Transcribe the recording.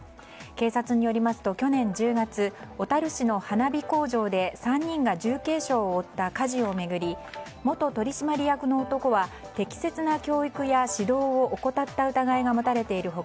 警察によりますと、去年１０月小樽市の花火工場で３人が重軽傷を負った火事を巡り元取締役の男は適切な教育や指導を怠った疑いが持たれている他